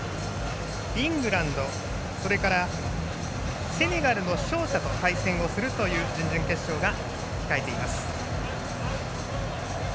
イングランドそれから、セネガルの勝者と対戦をするという準々決勝が控えています。